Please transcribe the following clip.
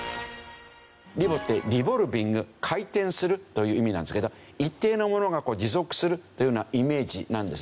リボってリボルビング回転するという意味なんですけど一定のものが持続するというようなイメージなんですね。